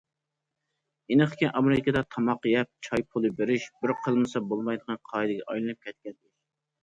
ئېنىقكى ئامېرىكىدا تاماق يەپ چاي پۇلى بېرىش بىر قىلمىسا بولمايدىغان قائىدىگە ئايلىنىپ كەتكەن ئىش.